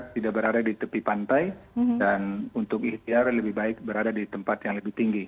tidak berada di tepi pantai dan untuk ikhtiar lebih baik berada di tempat yang lebih tinggi